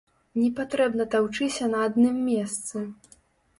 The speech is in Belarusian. Не патрэбна таўчыся на адным месцы.